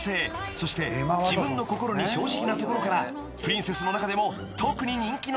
［そして自分の心に正直なところからプリンセスの中でも特に人気の高いベル］